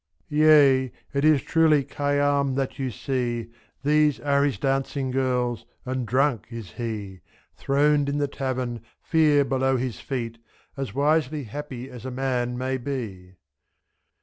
26 Yea, it is truly Khayyam that you see. These are his dancing girls, and drunk is he, :2<? Throned in the tavern, fear below his feet. As wisely happy as a man may be.